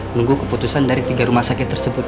menunggu keputusan dari tiga rumah sakit tersebut